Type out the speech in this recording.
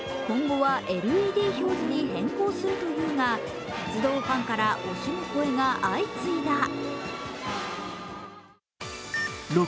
今後はＬＥＤ表示に変更するというが鉄道ファンから惜しむ声が相次いだ。